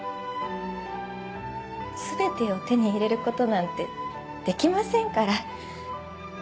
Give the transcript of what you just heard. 全てを手に入れることなんてできませんから。